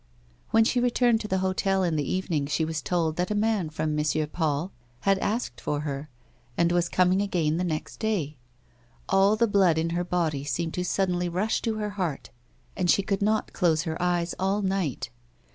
When she returned to the h6tel in the evening, she was told that a man from M. Paul had asked for her, and was coming again the next day. All the blood in her body seemed to suddenly rush to her heart and she could not close her eyes all night.